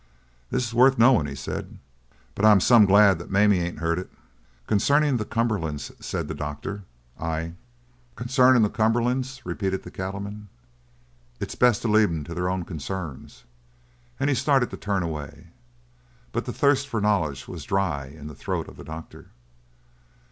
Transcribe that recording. "This is worth knowin'," he said, "but I'm some glad that Mame ain't heard it." "Concerning the Cumberlands," said the doctor, "I " "Concerning the Cumberlands," repeated the cattleman, "it's best to leave 'em to their own concerns." And he started to turn away, but the thirst for knowledge was dry in the throat of the doctor.